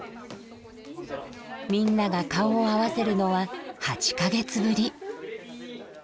みんなが顔を合わせるのは８か月ぶり。